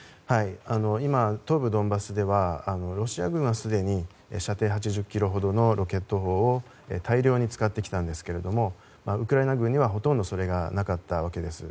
今、東部ドンバスではロシア軍はすでに射程８０ｋｍほどのロケット砲を大量に使ってきたんですけれどもウクライナ軍には、ほとんどそれがなかったわけです。